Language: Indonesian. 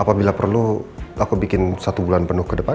apabila perlu aku bikin satu bulan penuh ke depan